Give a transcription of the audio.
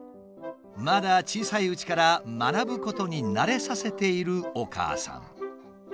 まだ小さいうちから学ぶことに慣れさせているお母さん。